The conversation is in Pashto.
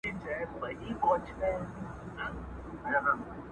ته خبر یې د تودې خوني له خونده؟!!.